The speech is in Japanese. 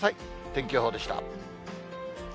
天気予報でした。